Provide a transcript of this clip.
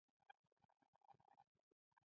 جمعي تعاملونه هغه تعاملونو ته وایي.